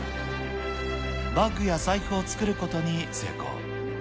バッグや財布を作ることに成功。